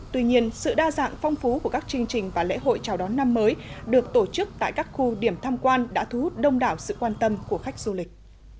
tuy nhiên sự đa dạng phong phú của các chương trình và lễ hội chào đón năm mới được tổ chức tại các khu điểm tham quan đã thu hút đông đảo sự quan tâm của khách du lịch